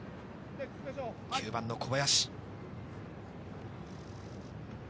９番の小林。